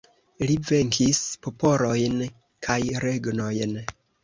Li venkis popolojn kaj regnojn.